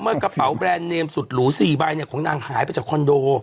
เมื่อกระเป๋าแบรนด์เนมสุดหลูสี่ใบเนี่ยคงน้ำหายไปจะคอนโด